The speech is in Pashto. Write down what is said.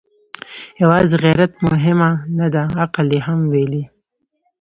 يواځې غيرت مهمه نه ده، عقل يې هم ويلی.